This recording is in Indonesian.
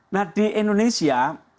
nah di indonesia